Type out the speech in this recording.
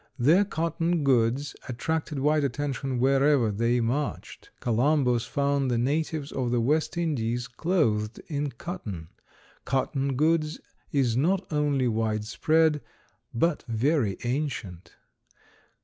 Their cotton goods attracted wide attention wherever they marched. Columbus found the natives of the West Indies clothed in cotton. Cotton goods is not only wide spread, but very ancient.